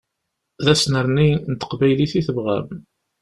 D asnerni n teqbaylit i tebɣam.